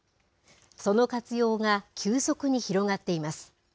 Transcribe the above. その活用が急速に広がっています。